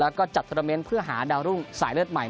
แล้วก็จัดโทรเมนต์เพื่อหาดาวรุ่งสายเลือดใหม่